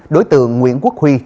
đối tượng nguyễn quốc huy